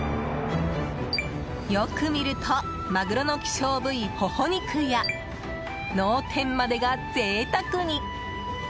よく見ると、マグロの希少部位ホホ肉や脳天までが贅沢に。